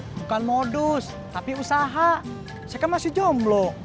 bukan modus tapi usaha saya kan masih jomblo